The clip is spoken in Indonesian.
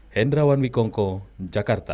hendrawan wikongo jakarta